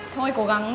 thôi cố gắng